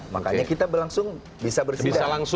makanya kita langsung bisa bersidak